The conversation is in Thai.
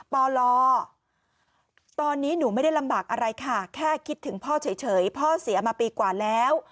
ปลตอนนี้หนูไม่ได้ลำบากอะไรค่ะแค่คิดถึงพ่อเฉยพ่อเสียมาปีกว่าแล้ว